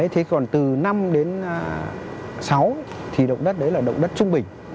thế còn từ năm đến sáu thì động đất đấy là động đất trung bình